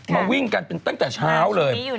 มาวิ่งกันเป็นตั้งแต่เช้าเลย